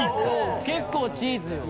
「結構チーズよ」